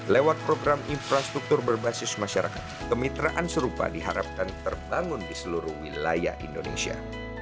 lewat program infrastruktur berbasis masyarakat kemitraan serupa diharapkan terbangun di seluruh wilayah indonesia